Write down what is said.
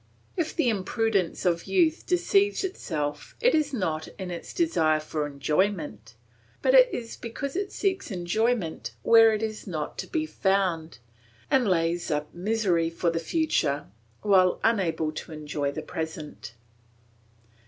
If the imprudence of youth deceives itself it is not in its desire for enjoyment, but because it seeks enjoyment where it is not to be found, and lays up misery for the future, while unable to enjoy the present.